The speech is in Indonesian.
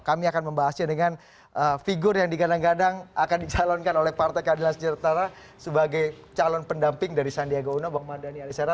kami akan membahasnya dengan figur yang digadang gadang akan dicalonkan oleh partai keadilan sejahtera sebagai calon pendamping dari sandiaga uno bang mardhani alisera